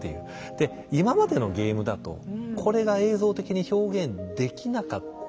で今までのゲームだとこれが映像的に表現できなかったんですよね。